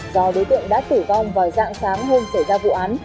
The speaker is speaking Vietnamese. do đối tượng đã tử vong vào dạng sáng hôm xảy ra vụ án